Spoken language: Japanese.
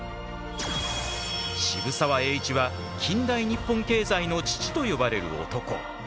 渋沢栄一は近代日本経済の父と呼ばれる男。